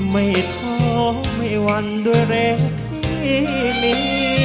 ไม่ท้อไม่วันด้วยแรงที่มี